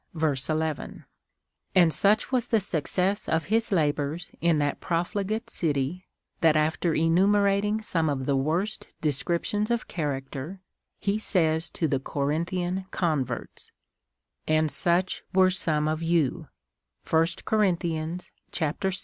11 ;) and such was the success of his labours in that profligate city, that after enumerating some of the worst descriptions of character, he says to the Corinthian converts, —" And such were some of you" (1 Cor, vi.